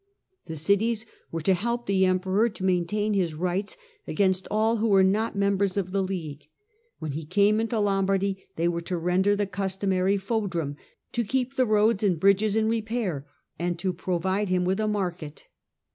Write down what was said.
The cities were to help the Emperor to maintain his rights against all who were not members of the League ; when he came into Lombardy they were to render the customary fodrum, to keep the roads and bridges in repair, and to provide him with a market.